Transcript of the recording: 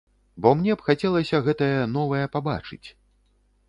Бо мне б хацелася гэтае новае пабачыць.